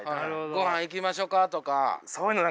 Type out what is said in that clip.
「ごはん行きましょうか？」とか。